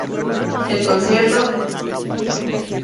El concierto...